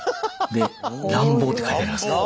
で乱暴って書いてありますから。